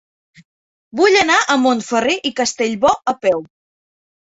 Vull anar a Montferrer i Castellbò a peu.